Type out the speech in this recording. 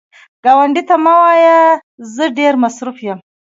ګاونډي ته مه وایه “زه ډېر مصروف یم”